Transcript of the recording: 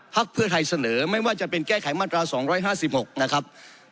เพื่อไทยเสนอไม่ว่าจะเป็นแก้ไขมาตรา๒๕๖นะครับ